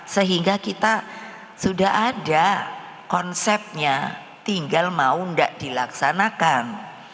sehingga kita sudah ada konsepnya tinggal mau tidak dilaksanakan